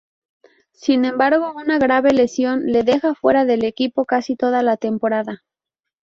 Sin embargo una grave lesión le deja fuera del equipo casi toda la temporada.